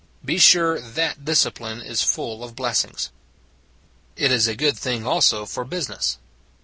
Be sure that discipline is full of blessings. It is a good thing also for business.